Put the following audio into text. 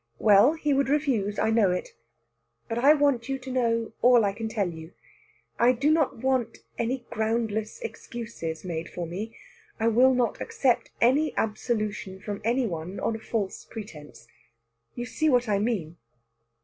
"Well, he would refuse. I know it. But I want you to know all I can tell you. I do not want any groundless excuses made for me. I will not accept any absolution from any one on a false pretence. You see what I mean."